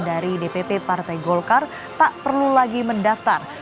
dari dpp partai golkar tak perlu lagi mendaftar